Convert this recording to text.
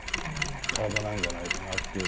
体なんじゃないかなっていうか。